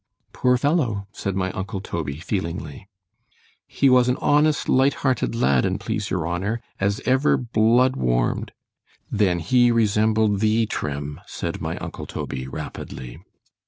Poor fellow! said my uncle Toby, feelingly. He was an honest, light hearted lad, an' please your honour, as ever blood warm'd—— ——Then he resembled thee, Trim, said my uncle Toby, rapidly.